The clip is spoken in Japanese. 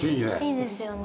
いいですよね。